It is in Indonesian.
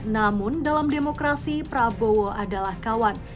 namun dalam demokrasi prabowo adalah kawan